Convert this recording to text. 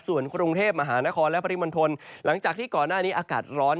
ส่วนกรุงเทพมหานครและปริมณฑลหลังจากที่ก่อนหน้านี้อากาศร้อน